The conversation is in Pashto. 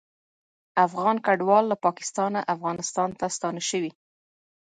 افغان کډوال له پاکستانه افغانستان ته ستانه شوي